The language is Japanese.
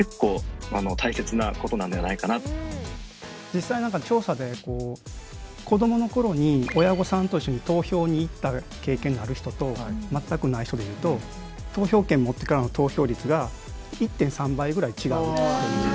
実際調査で子どもの頃に親御さんと一緒に投票に行った経験がある人と全くない人で言うと投票権持ってからの投票率が１．３倍ぐらい違うっていう。